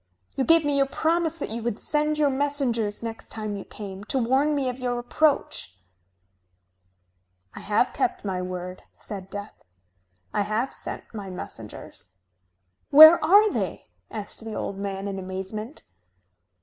You gave me your promise that you would send your messengers, next time you came, to warn me of your approach." "I have kept my word," said Death. "I have sent my messengers." "Where are they?" asked the old man in amazement.